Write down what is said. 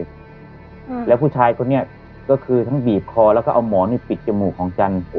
อืมแล้วผู้ชายคนนี้ก็คือทั้งบีบคอแล้วก็เอาหมอนนี่ปิดจมูกของจันทร์